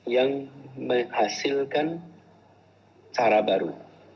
yang menghasilkan cara baru